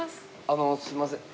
あのすいません。